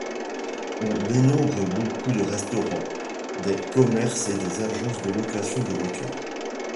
On dénombre beaucoup de restaurants, des commerces et des agences de location de voitures.